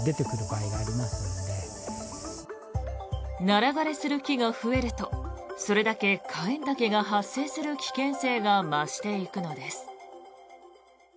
ナラ枯れする木が増えるとそれだけカエンタケが発生する危険性が増していくのです。